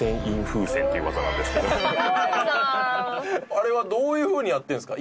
あれはどういうふうにやってるんですか？